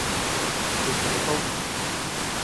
砵仔糕